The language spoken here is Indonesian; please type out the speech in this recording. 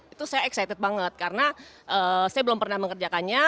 itu saya excited banget karena saya belum pernah mengerjakannya